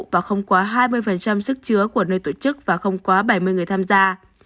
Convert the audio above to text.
và không quá hai mươi sức chứa của nơi tổ chức và không quá bảy mươi người tham gia